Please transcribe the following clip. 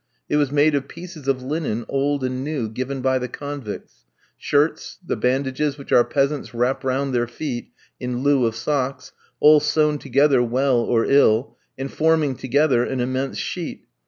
It was made of pieces of linen, old and new, given by the convicts; shirts, the bandages which our peasants wrap round their feet in lieu of socks, all sewn together well or ill, and forming together an immense sheet.